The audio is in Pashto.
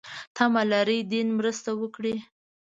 تمه لري دین مرسته وکړي.